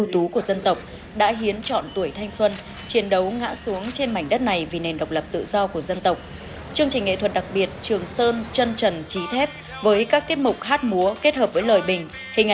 trong và ngoài tỉnh